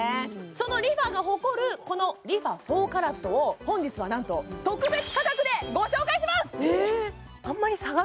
そのＲｅＦａが誇るこのＲｅＦａ４ＣＡＲＡＴを本日はなんと特別価格でご紹介しますえ！？